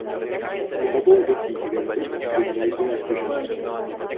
Po obou bocích hvězdy stojí vlajkové stožáry.